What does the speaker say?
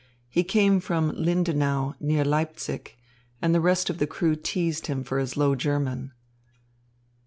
He came from Lindenau near Leipzig, and the rest of the crew teased him for his Low German.